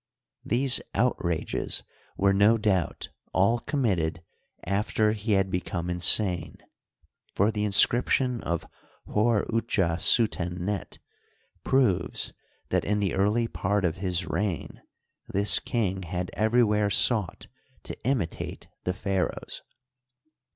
These out rages were no doubt all committed after he had become insane, for the inscription of Hor utja suten net proves that in the early part of his reig^ this king had everywhere sought to imitate the pharaohs.